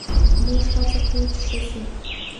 موږ هڅه کوو چې ښه شو.